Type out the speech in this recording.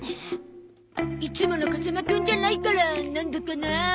いつもの風間くんじゃないからなんだかな。